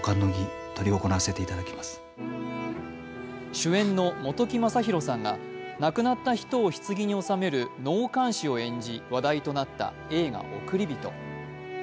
主演の本木雅弘さんが、亡くなった人を棺に納める納棺師を演じ話題となった映画「おくりびと」。